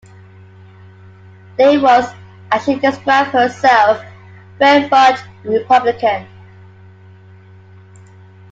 Day was, as she described herself, "very much a Republican".